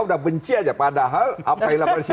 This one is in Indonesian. udah benci aja padahal